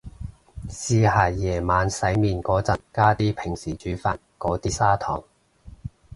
試下夜晚洗面個陣加啲平時煮飯個啲砂糖